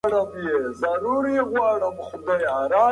آیا تاریخ تکراریږي؟